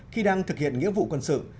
khi đang thực hiện nghĩa vụ quân sự